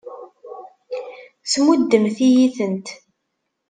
Tmuddemt-iyi-tent.